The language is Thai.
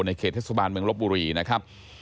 เขตเทศบาลเมืองลบบุรีนะครับ